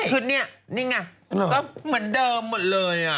เหมือนเดิมหมดเลย